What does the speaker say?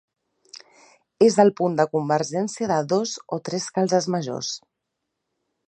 És el punt de convergència de dos o tres calzes majors.